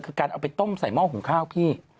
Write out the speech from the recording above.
คือการเอาไปต้มใส่หม้อหุงข้าวพี่